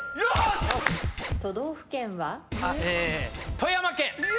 富山県。